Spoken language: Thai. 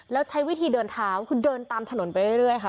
แล้วใช้วิธีเดินเท้าคือเดินตามถนนไปเรื่อยค่ะ